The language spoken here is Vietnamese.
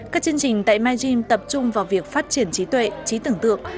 các chương trình tại my gym tập trung vào việc phát triển trí tuệ trí tưởng tượng